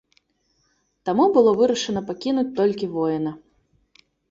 Таму было вырашана пакінуць толькі воіна.